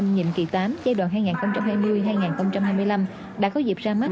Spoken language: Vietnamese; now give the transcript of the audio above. nhiệm kỳ tám giai đoạn hai nghìn hai mươi hai nghìn hai mươi năm đã có dịp ra mắt